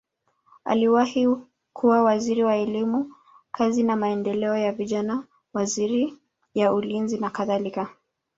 Aliwahi kuwa waziri wa elimu, kazi na maendeleo ya vijana, wizara ya ulinzi nakadhalika.